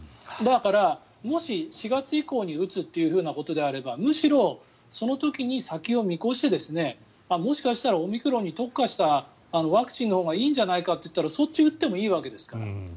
だから、もし、４月以降に打つということであればむしろその時に先を見越してもしかしたらオミクロンに特化したワクチンのほうがいいんじゃないかといったらそっちを打ってもいいわけですから。